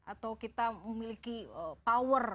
atau kita memiliki power